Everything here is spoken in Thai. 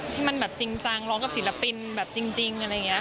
ที่มันแบบจริงจังร้องกับศิลปินแบบจริงอะไรอย่างนี้